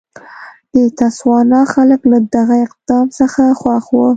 د تسوانا خلک له دغه اقدام څخه خوښ وو.